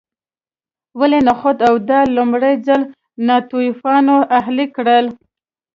ولې نخود او دال لومړي ځل ناتوفیانو اهلي کړل